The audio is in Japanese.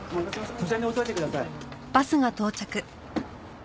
そちらに置いておいてください。